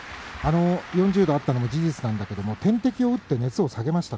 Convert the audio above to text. ４０度あったのも事実なんだけれども点滴を打って熱を下げました。